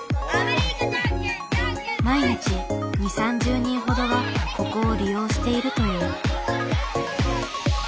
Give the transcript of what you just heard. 毎日２０３０人ほどがここを利用しているという。